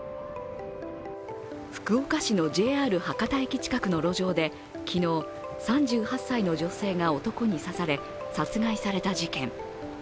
福岡市のＪＲ博多駅近くの路上で昨日、３８歳の女性が男に刺され、殺害された事件。